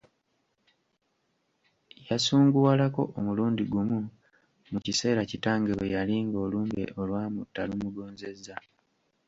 Yasunguwalako omulundi gumu, mu kiseera kitange bwe yali ng'olumbe olw'amutta lumugonzezza.